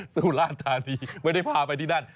สุราธานีไม่ได้พาไปที่นั่น